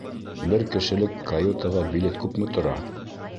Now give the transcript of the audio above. Бер кешелек каютаға билет күпме тора?